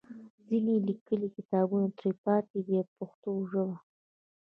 ځینې لیکلي کتابونه ترې راپاتې دي په پښتو ژبه.